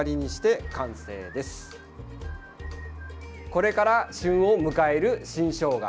これから旬を迎える新しょうが。